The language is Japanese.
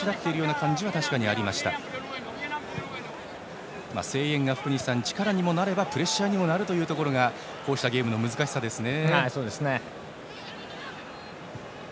福西さん、声援が力にもなればプレッシャーにもなるというのがこうしたゲームの難しさですね。